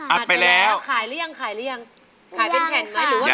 อัดไปแล้วค่ะ